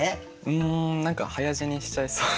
うん何か早死にしちゃいそう。